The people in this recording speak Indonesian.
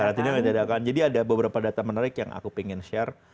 karantina juga ditiadakan jadi ada beberapa data menarik yang aku ingin share